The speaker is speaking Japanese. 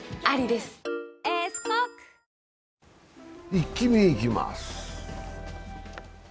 「イッキ見」いきます。